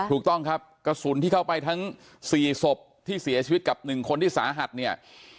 ถูกต้องครับกระสุนที่เข้าไปทั้ง๔ศพที่เสียชีวิตกับ๑คนที่สาหัสเนี่ย